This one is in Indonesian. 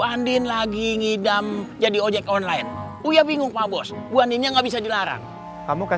andin lagi ngidam jadi ojek online oh ya bingung pak bos wohaninya nggak bisa dilarang fav mane monster at